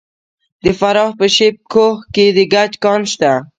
د فراه په شیب کوه کې د ګچ کان شته.